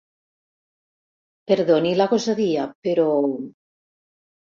Perdoni la gosadia, però...